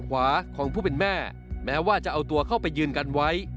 ขวาของผู้เป็นแม่แม้ว่าจะเอาตัวเข้าไปยืนกันไว้